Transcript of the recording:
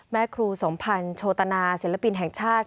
แม่ครูสมพันธ์โชตนาศิลปินแห่งชาติ